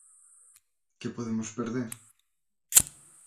¿Que podemos perder?